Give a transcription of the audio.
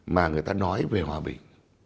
mà người ta nói về hòa bình